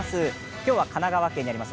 今日は神奈川県にあります